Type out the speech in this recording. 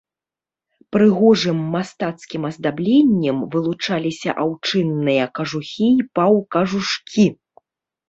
Прыгожым мастацкім аздабленнем вылучаліся аўчынныя кажухі і паўкажушкі.